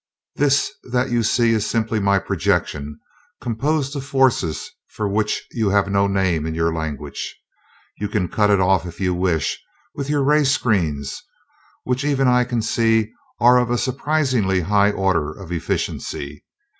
This that you see is simply my projection, composed of forces for which you have no name in your language. You can cut it off, if you wish, with your ray screens, which even I can see are of a surprisingly high order of efficiency.